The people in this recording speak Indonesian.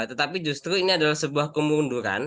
tetapi justru ini adalah sebuah kemunduran